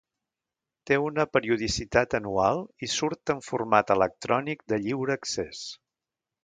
Té una periodicitat anual i surt en format electrònic de lliure accés.